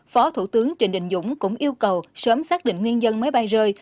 phó thủ tướng trịnh đình dũng cũng yêu cầu sớm xác định nguyên nhân máy bay rơi